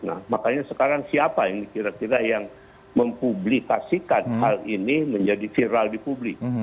nah makanya sekarang siapa yang kira kira yang mempublikasikan hal ini menjadi viral di publik